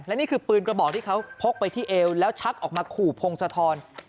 และนี่คือปืนกระบอกที่เขาพกไปที่เอวแล้วชักออกมาขู่พงศธร